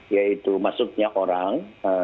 yaitu masuknya orang